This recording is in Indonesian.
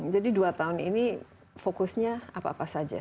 jadi dua tahun ini fokusnya apa apa saja